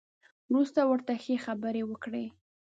وروسته ورته ښې خبرې وکړئ.